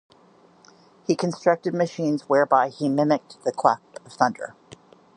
He constructed machines whereby he mimicked the clap of thunder.